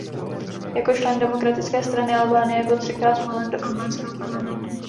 Jako člen Demokratické strany Albánie byl třikrát zvolen do Albánského parlamentu.